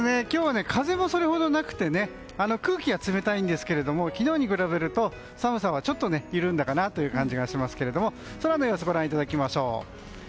今日は風もそれほどなくてね空気が冷たいんですけども昨日に比べると寒さはちょっと緩んだかなという感じがしますけれども空の様子をご覧いただきましょう。